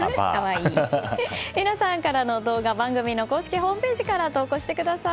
皆さんからの動画番組の公式ホームページから投稿してください。